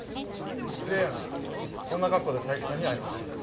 失礼やがそんな格好で佐伯さんには会えません。